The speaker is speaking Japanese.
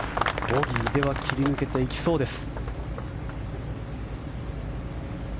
ボギーでは切り抜けていきそうです。